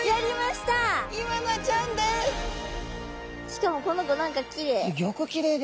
しかもこの子何かきれい。